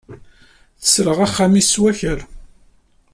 Tesleɣ axxam-is s wakal.